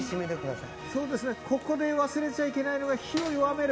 ここで忘れちゃいけないのが、火を弱める。